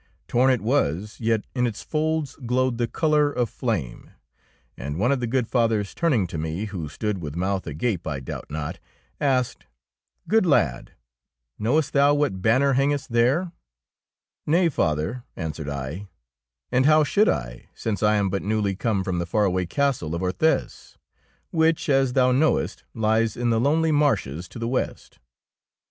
Torn it was, yet in its folds glowed the colour of flame ; and one of the good fathers turning to me, who stood with mouth agape, I doubt not, asked, —'' Good lad, knowest thou what ban ner hangest there I Nay, father,'' answered I, " and how should I, since I am but newly come from the far away castle of Orthez, which, as thou knowest, lies in the lonely marches to the west."